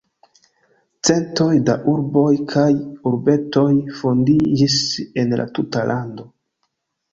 Centoj da urboj kaj urbetoj fondiĝis en la tuta lando.